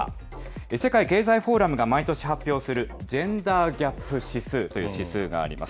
世界経済フォーラムが毎年発表するジェンダーギャップ指数という指数があります。